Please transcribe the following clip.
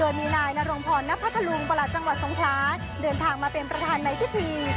โดยมีนายนรงพรณพัทธลุงประหลัดจังหวัดทรงคลาเดินทางมาเป็นประธานในพิธี